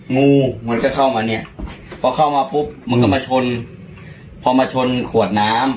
งูมันก็เข้ามาเนี้ยพอเข้ามาปุ๊บมันก็มาชนพอมาชนขวดน้ำ